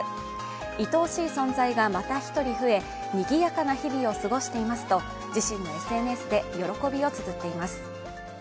愛おしい存在がまた一人増え、にぎやかな日々を過ごしていますと自身のＳＮＳで喜びをつづっています